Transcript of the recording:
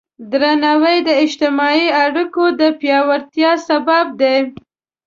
درناوی د اجتماعي اړیکو د پیاوړتیا سبب دی.